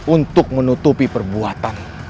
untuk menutupi perbuatan